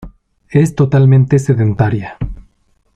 Es totalmente sedentaria.